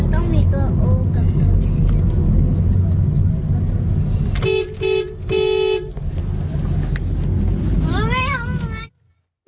ติ๊ดติ๊ดติ๊ด